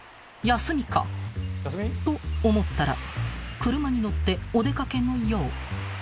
［休みか？と思ったら車に乗ってお出掛けのよう］